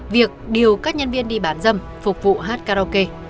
việc điều các nhân viên đi bán dâm phục vụ hát karaoke